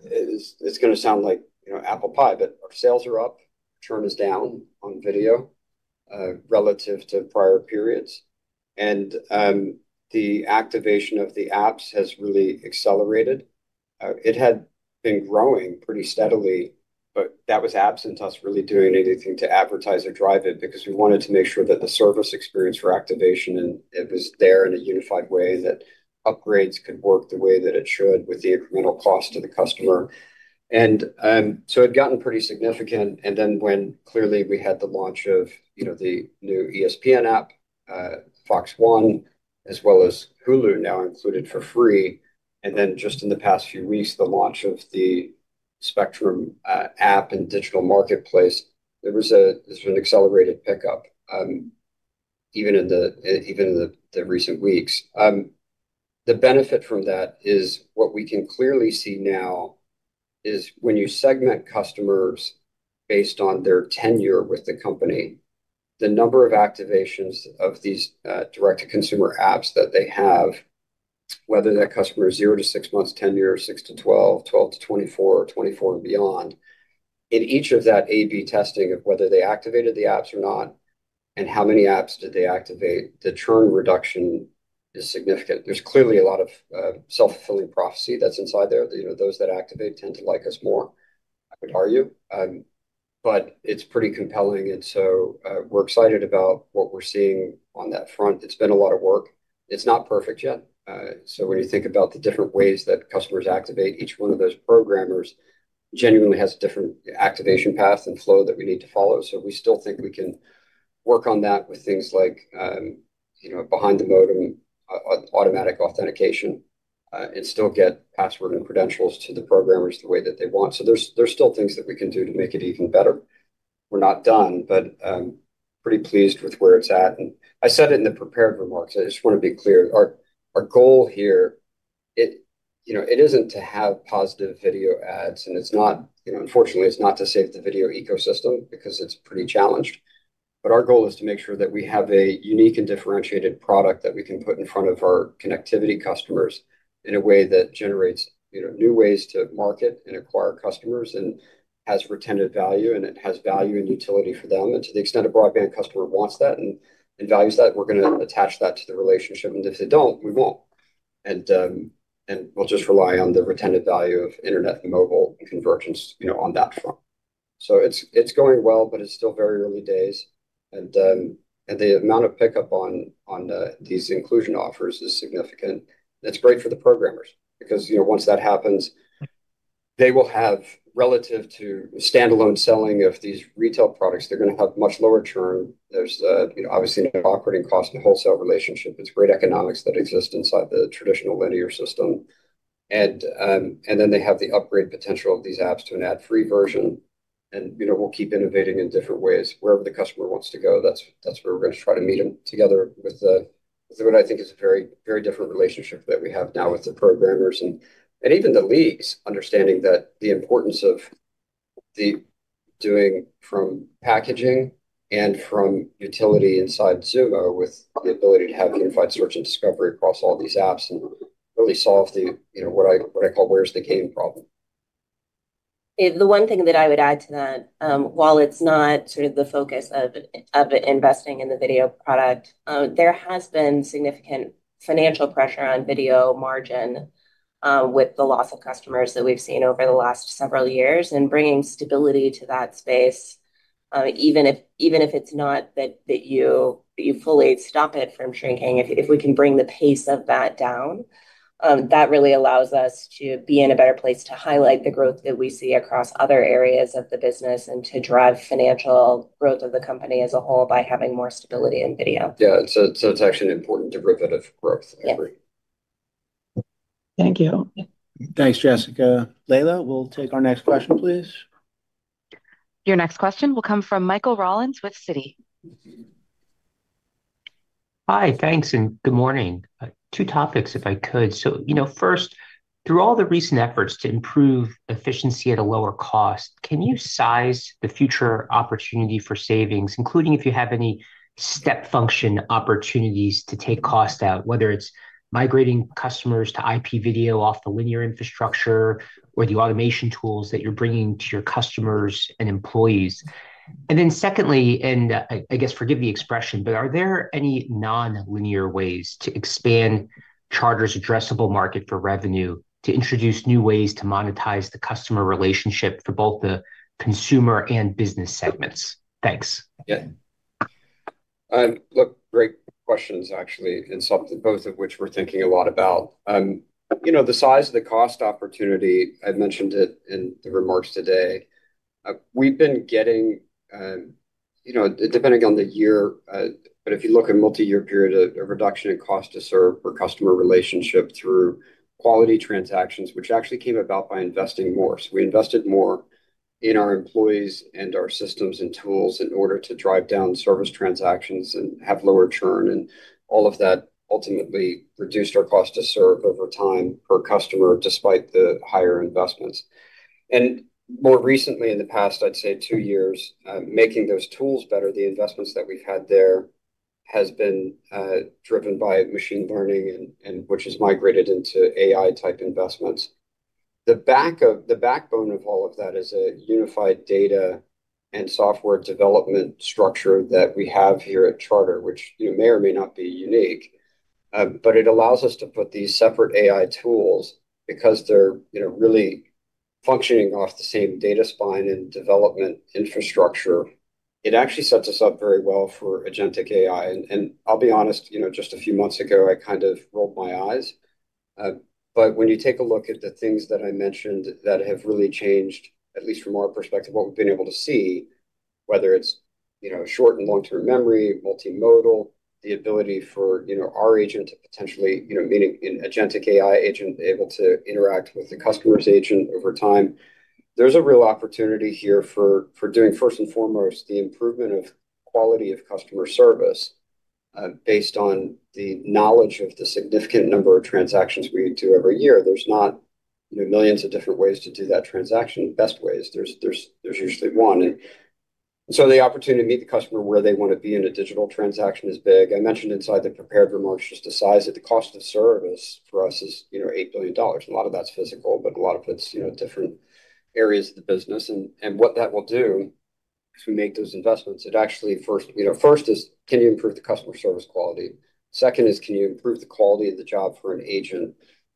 it's going to sound like apple pie, but our sales are up. Churn is down on video relative to prior periods, and the activation of the apps has really accelerated. It had been growing pretty steadily, but that was absent us really doing anything to advertise or drive it because we wanted to make sure that the service experience for activation was there in a unified way, that upgrades could work the way that it should with the incremental cost to the customer, and it had gotten pretty significant. Clearly, we had the launch of the new ESPN app, FOX One, as well as Hulu now included for free. In the past few weeks, the launch of the Spectrum app and digital marketplace led to an accelerated pickup, even in the recent weeks. The benefit from that is what we can clearly see now. When you segment customers based on their tenure with the company, the number of activations of these direct-to-consumer apps that they have, whether that customer is 0 to 6 months, 10 years, 6 to 12, 12 to 24, 24 and beyond, in each of that A/B testing of whether they activated the apps or not and how many apps did they activate, the churn reduction is significant. There is clearly a lot of self-fulfilling prophecy that's inside there. Those that activate tend to like us more, I would argue. It's pretty compelling, and we're excited about what we're seeing on that front. It's been a lot of work. It's not perfect yet. When you think about the different ways that customers activate, each one of those programmers genuinely has a different activation path and flow that we need to follow. We still think we can work on that with things like behind the modem, automatic authentication, and still get password and credentials to the programmers the way that they want. There are still things that we can do to make it even better. We're not done, but pretty pleased with where it's at. I said it in the prepared remarks. I just want to be clear. Our goal here isn't to have positive video ads, and unfortunately, it's not to save the video ecosystem because it's pretty challenged. Our goal is to make sure that we have a unique and differentiated product that we can put in front of our connectivity customers in a way that generates new ways to market and acquire customers and has retention value, and it has value and utility for them. To the extent a broadband customer wants that and values that, we're going to attach that to the relationship. If they don't, we won't. We'll just rely on the retention value of internet and mobile convergence on that front. It's going well, but it's still very early days. The amount of pickup on these inclusion offers is significant, and it's great for the programmers because once that happens, they will have, relative to standalone selling of these retail products, much lower churn. There is obviously no operating cost in the wholesale relationship. It's great economics that exist inside the traditional linear system. They have the upgrade potential of these apps to an ad-free version. We'll keep innovating in different ways wherever the customer wants to go. That's where we're going to try to meet them together with what I think is a very different relationship that we have now with the programmers and even the leagues, understanding the importance of doing from packaging and from utility inside Xumo with the ability to have unified search and discovery across all these apps and really solve what I call, "Where's the game?" problem. The one thing that I would add to that, while it's not sort of the focus of investing in the video product, there has been significant financial pressure on video margin with the loss of customers that we've seen over the last several years and bringing stability to that space. Even if it's not that you fully stop it from shrinking, if we can bring the pace of that down, that really allows us to be in a better place to highlight the growth that we see across other areas of the business and to drive financial growth of the company as a whole by having more stability in video. Yeah. It's actually an important derivative growth. Yeah. Thank you. Thanks, Jessica. Leila, we'll take our next question, please. Your next question will come from Michael Rollins with Citi. Hi, thanks, and good morning. Two topics, if I could. First, through all the recent efforts to improve efficiency at a lower cost, can you size the future opportunity for savings, including if you have any step function opportunities to take cost out, whether it's migrating customers to IP video off the linear infrastructure or the automation tools that you're bringing to your customers and employees? Secondly, and I guess forgive the expression, are there any non-linear ways to expand Charter's addressable market for revenue to introduce new ways to monetize the customer relationship for both the consumer and business segments? Thanks. Yeah. Great questions, actually, and both of which we're thinking a lot about. The size of the cost opportunity, I've mentioned it in the remarks today. We've been getting, -- depending on the year, but if you look at a multi-year period of reduction in cost to serve for customer relationship through quality transactions, which actually came about by investing more. We invested more in our employees and our systems and tools in order to drive down service transactions and have lower churn. All of that ultimately reduced our cost to serve over time per customer despite the higher investments. More recently, in the past, I'd say two years, making those tools better, the investments that we've had there have been driven by machine learning, which has migrated into AI-type investments. The backbone of all of that is a unified data and software development structure that we have here at Charter, which may or may not be unique. It allows us to put these separate AI tools because they're really functioning off the same data spine and development infrastructure. It actually sets us up very well for Agentic AI. I'll be honest, just a few months ago, I kind of rolled my eyes. When you take a look at the things that I mentioned that have really changed, at least from our perspective, what we've been able to see, whether it's short and long-term memory, multimodal, the ability for our agent to potentially, meaning an Agentic AI agent able to interact with the customer's agent over time, there's a real opportunity here for doing, first and foremost, the improvement of quality of customer service. Based on the knowledge of the significant number of transactions we do every year, there's not millions of different ways to do that transaction, best ways. There's usually one. The opportunity to meet the customer where they want to be in a digital transaction is big. I mentioned inside the prepared remarks just the size of the cost of service for us is $8 billion. A lot of that's physical, but a lot of it's different areas of the business. What that will do if we make those investments, it actually first is can you improve the customer service quality? Second is, can you improve the quality of the job for an agent?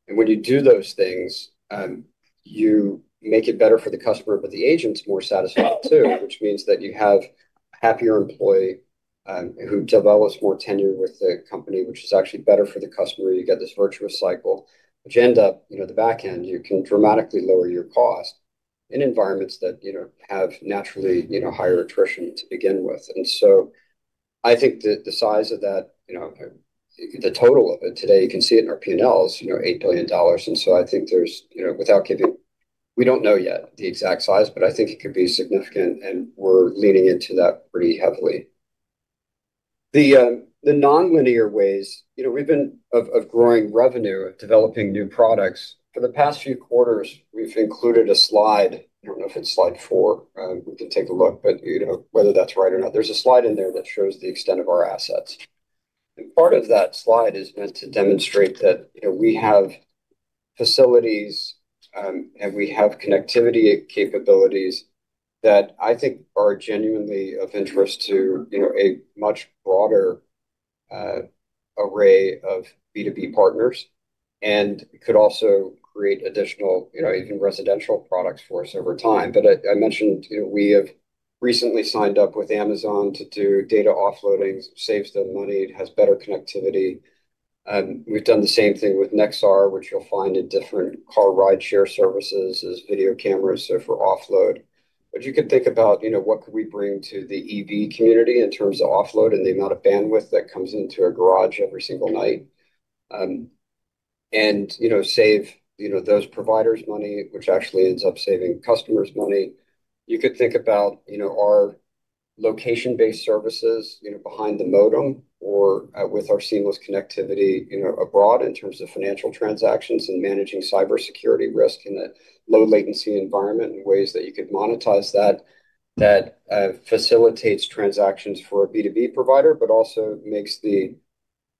When you do those things, you make it better for the customer, but the agent's more satisfied too, which means that you have a happier employee who develops more tenure with the company, which is actually better for the customer. You get this virtuous cycle agenda. The back end, you can dramatically lower your cost in environments that have naturally higher attrition to begin with. I think the size of that, the total of it today, you can see it in our P&Ls, $8 billion. I think there's, without giving, we don't know yet the exact size, but I think it could be significant, and we're leaning into that pretty heavily. The non-linear ways we've been of growing revenue, developing new products. For the past few quarters, we've included a slide. I don't know if it's slide four. We can take a look, but whether that's right or not, there's a slide in there that shows the extent of our assets. Part of that slide is meant to demonstrate that we have facilities, and we have connectivity capabilities that I think are genuinely of interest to a much broader array of B2B partners and could also create additional, even residential products for us over time. I mentioned we have recently signed up with Amazon to do data offloading, saves them money, has better connectivity. We've done the same thing with Nexar, which you'll find in different car ride-share services as video cameras for offload. You could think about what could we bring to the EV community in terms of offload and the amount of bandwidth that comes into a garage every single night and save those providers money, which actually ends up saving customers money. You could think about our location-based services behind the modem or with our seamless connectivity abroad in terms of financial transactions and managing cybersecurity risk in a low-latency environment in ways that you could monetize that. That facilitates transactions for a B2B provider, but also makes the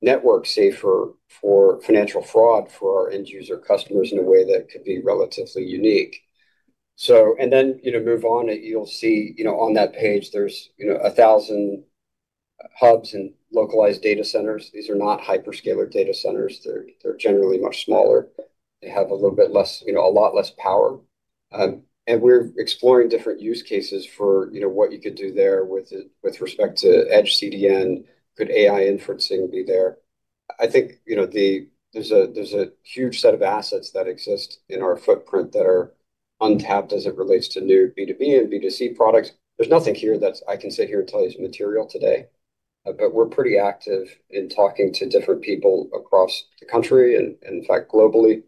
network safer for financial fraud for our end-user customers in a way that could be relatively unique. You'll see on that page, there's 1,000 hubs and localized data centers. These are not hyperscaler data centers. They're generally much smaller. They have a little bit less, a lot less power. We're exploring different use cases for what you could do there with respect to edge CDN. Could AI inferencing be there? I think there's a huge set of assets that exist in our footprint that are untapped as it relates to new B2B and B2C products. There's nothing here that I can sit here and tell you is material today. We're pretty active in talking to different people across the country and, in fact, globally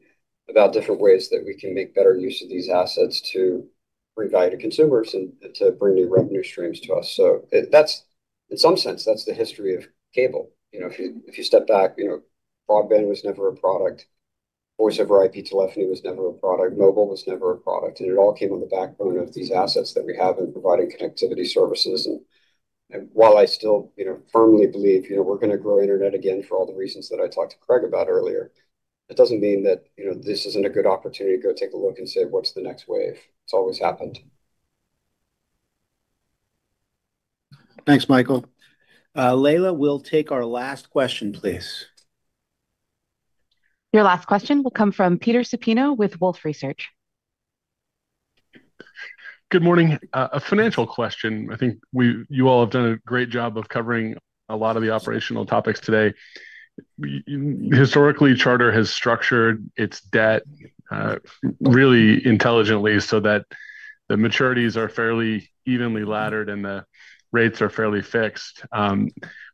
about different ways that we can make better use of these assets to revive consumers and to bring new revenue streams to us. In some sense, that's the history of cable. If you step back, broadband was never a product. Voice over IP telephony was never a product. Mobile was never a product. It all came on the backbone of these assets that we have in providing connectivity services. While I still firmly believe we're going to grow internet again for all the reasons that I talked to Craig about earlier, that doesn't mean that this isn't a good opportunity to go take a look and say, "What's the next wave?" It's always happened. Thanks, Michael. Leila, we'll take our last question, please. Your last question will come from Peter Supino with Wolfe Research. Good morning. A financial question. I think you all have done a great job of covering a lot of the operational topics today. Historically, Charter has structured its debt really intelligently so that the maturities are fairly evenly laddered and the rates are fairly fixed.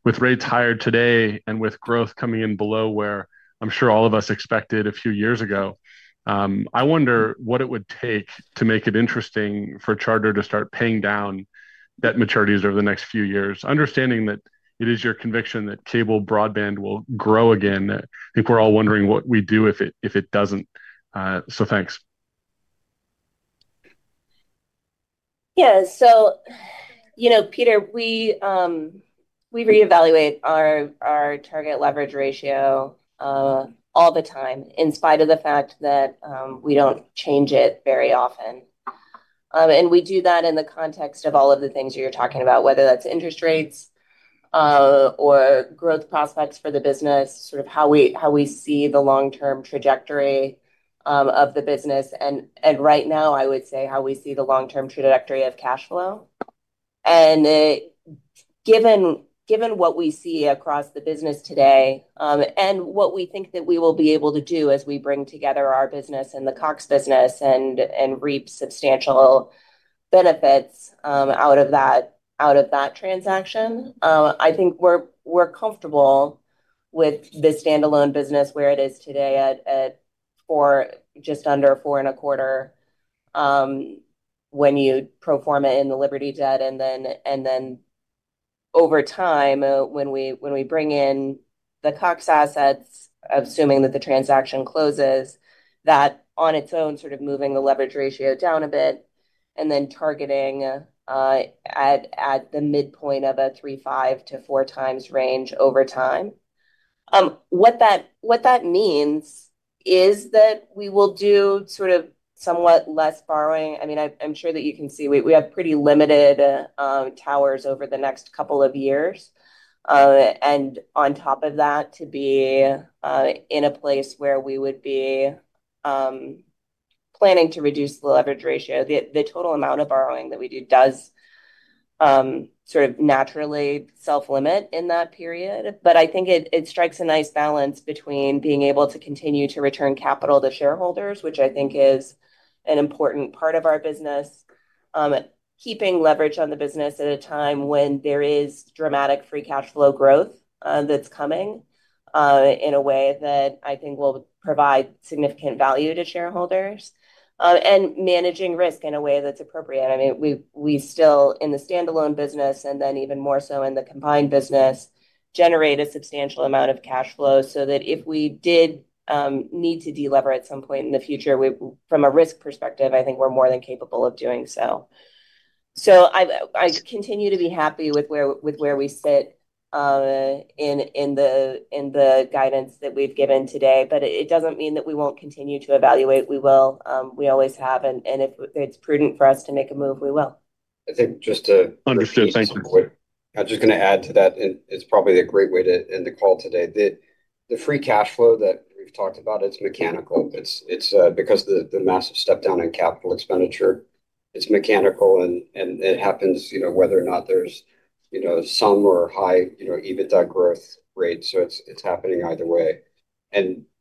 With rates higher today and with growth coming in below where I'm sure all of us expected a few years ago, I wonder what it would take to make it interesting for Charter to start paying down debt maturities over the next few years, understanding that it is your conviction that cable broadband will grow again. I think we're all wondering what we do if it doesn't. Thanks. Peter, we reevaluate our target leverage ratio all the time in spite of the fact that we don't change it very often. We do that in the context of all of the things you're talking about, whether that's interest rates or growth prospects for the business, sort of how we see the long-term trajectory of the business. Right now, I would say how we see the long-term trajectory of cash flow. Given what we see across the business today and what we think that we will be able to do as we bring together our business and the Cox business and reap substantial benefits out of that transaction, I think we're comfortable with the standalone business where it is today at just under four and a quarter. When you pro forma in the Liberty debt, over time, when we bring in the Cox assets, assuming that the transaction closes, that on its own sort of moves the leverage ratio down a bit and then targeting at the midpoint of a 3.5x to 4x range over time. What that means is that we will do somewhat less borrowing. I'm sure that you can see we have pretty limited towers over the next couple of years. On top of that, to be in a place where we would be planning to reduce the leverage ratio, the total amount of borrowing that we do does. Sort of naturally self-limit in that period. I think it strikes a nice balance between being able to continue to return capital to shareholders, which I think is an important part of our business, keeping leverage on the business at a time when there is dramatic free cash flow growth that's coming, in a way that I think will provide significant value to shareholders, and managing risk in a way that's appropriate. We still, in the standalone business and then even more so in the combined business, generate a substantial amount of cash flow so that if we did need to deleverage at some point in the future, from a risk perspective, I think we're more than capable of doing so. I continue to be happy with where we sit in the guidance that we've given today. It doesn't mean that we won't continue to evaluate. We will. We always have. If it's prudent for us to make a move, we will. Understood. Thank you. I'm just going to add to that. It's probably a great way to end the call today. The free cash flow that we've talked about, it's mechanical. It's because of the massive step down in capital expenditure. It's mechanical, and it happens whether or not there's some or high EBITDA growth rate. It's happening either way.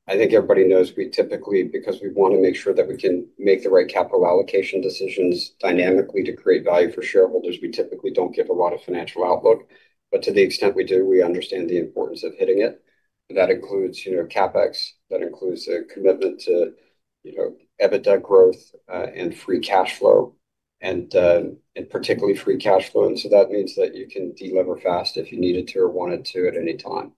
I think everybody knows we typically, because we want to make sure that we can make the right capital allocation decisions dynamically to create value for shareholders, we typically don't give a lot of financial outlook. To the extent we do, we understand the importance of hitting it. That includes CapEx. That includes a commitment to EBITDA growth and free cash flow, and particularly free cash flow. That means that you can deliver fast if you needed to or wanted to at any time.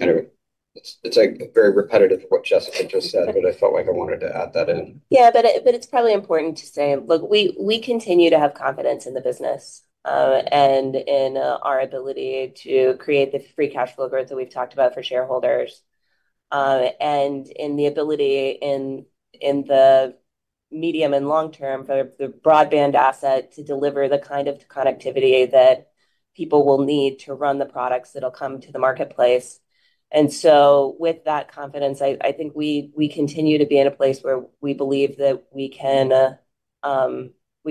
Anyway, it's very repetitive to what Jessica just said, but I felt like I wanted to add that in. It's probably important to say, look, we continue to have confidence in the business and in our ability to create the free cash flow growth that we've talked about for shareholders, and in the ability in the medium and long term for the broadband asset to deliver the kind of connectivity that people will need to run the products that will come to the marketplace. With that confidence, I think we continue to be in a place where we believe that we can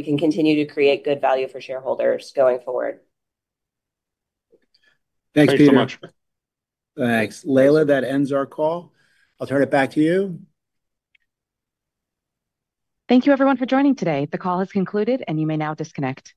continue to create good value for shareholders going forward. Thanks so much. Thanks. Leila, that ends our call. I'll turn it back to you. Thank you, everyone, for joining today. The call has concluded, and you may now disconnect.